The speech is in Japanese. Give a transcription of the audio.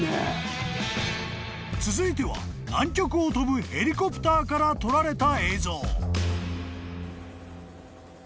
［続いては南極を飛ぶヘリコプターから撮られた映像］